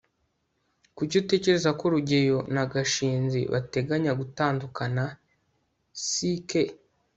kuki utekereza ko rugeyo na gashinzi bateganya gutandukana? (ck